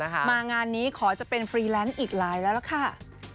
มางานนี้ขอจะเป็นฟรีแลนซ์อีกหลายแล้วล่ะค่ะ